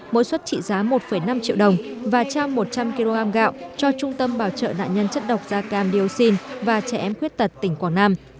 mỗi suất trị giá một năm triệu đồng và trao một trăm linh kg gạo cho trung tâm bảo trợ nạn nhân chất độc da cam dioxin và trẻ em khuyết tật tỉnh quảng nam